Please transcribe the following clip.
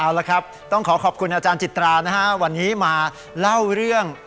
เอาละครับต้องขอขอบคุณอาจารย์จิตรานะฮะวันนี้มาเล่าเรื่อง